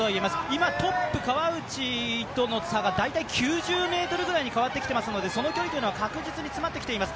今、トップ・川内との差が大体９０ｍぐらいに変わってきていますので、その距離は確実に詰まってきています。